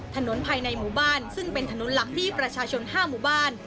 ถนนภายในหมู่บ้านซึ่งเป็นถนนหลักที่ประชาชน๕หมู่บ้าน